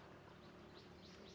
menjadi kemampuan anda